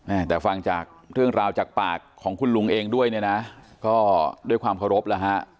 อ่าแต่ฟังจากเรื่องราวจากปากของคุณลุงเองด้วยเนี่ยนะก็ด้วยความเคารพแล้วฮะ